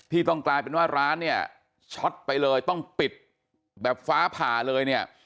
ต้องกลายเป็นว่าร้านเนี่ยช็อตไปเลยต้องปิดแบบฟ้าผ่าเลยเนี่ย